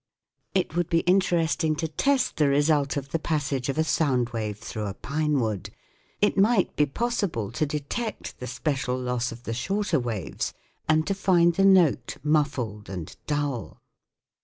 It would be interesting to test the result of the passage of a sound wave through a pine wood : it might be possible to detect the special loss of the shorter waves and to find the note muffled and dull.